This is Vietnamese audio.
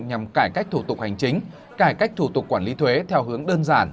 nhằm cải cách thủ tục hành chính cải cách thủ tục quản lý thuế theo hướng đơn giản